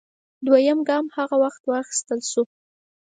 دویم ګام هغه وخت واخیستل شو